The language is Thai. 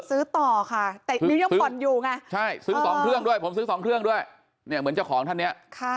ซื้อต่อค่ะแต่มิวยังผ่อนอยู่ไง